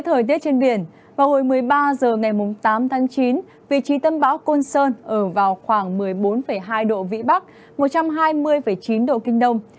thời tiết trên biển vào hồi một mươi ba h ngày tám tháng chín vị trí tâm bão côn sơn ở vào khoảng một mươi bốn hai độ vĩ bắc một trăm hai mươi chín độ kinh đông